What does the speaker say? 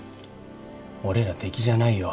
俺ら敵じゃないよ。